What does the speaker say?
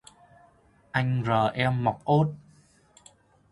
Anh rờ em mọc ốt